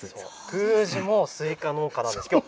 宮司もスイカ農家なんですよ。